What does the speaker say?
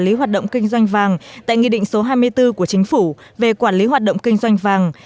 lý hoạt động kinh doanh vàng tại nghị định số hai mươi bốn của chính phủ về quản lý hoạt động kinh doanh vàng